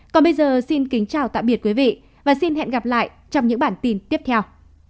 còn bây giờ xin kính chào tạm biệt quý vị và xin hẹn gặp lại trong những bản tin tiếp theo